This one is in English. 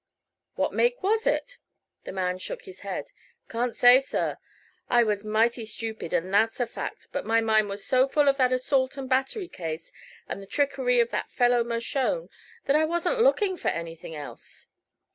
"What make was it?" The man shook his head. "Can't say, sir. I was mighty stupid, and that's a fact. But my mind was so full of that assault and battery case, and the trickery of that fellow Mershone, that I wasn't looking for anything else."